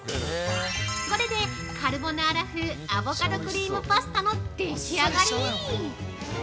これでカルボナーラ風アボカドクリームパスタの出来上がり！